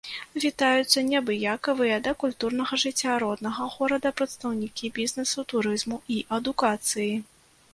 Вітаюцца неабыякавыя да культурнага жыцця роднага горада прадстаўнікі бізнэсу, турызму і адукацыі.